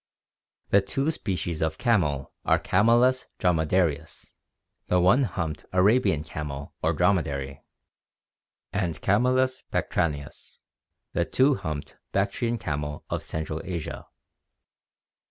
The two species of camel are Camelus dromcdarius, the one humped Arabian camel or dromedary, and C. bactrianus, the two humped Bactrian camel of central Asia.